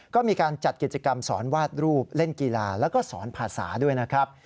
ก็มีการจัดกิจกรรมสอนวาดรูปเล่นกีฬาแล้วก็สอนภาษาด้วยนะครับ